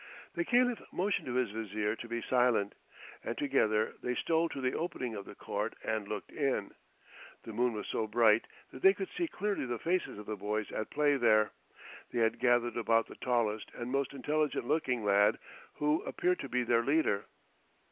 The Caliph motioned to his Vizier to be silent, and together they stole to the opening of the court and looked in. The moon was so bright that they could see clearly the faces of the boys at play there. They had gathered about the tallest and most intelligent looking lad, who appeared to be their leader.